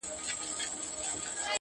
راسه دروې ښيم ـ